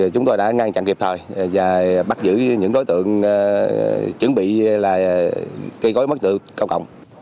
chúng tôi đã ngăn chặn kịp thời và bắt giữ những đối tượng chuẩn bị gây gói mất sự cao cộng